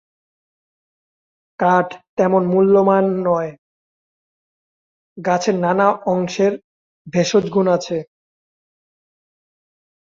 কাঠ তেমন মূল্যমান নয়, গাছের নানা অংশের ভেষজগুণ আছে।